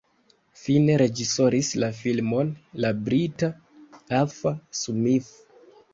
Fine reĝisoris la filmon la brita Arthur Smith.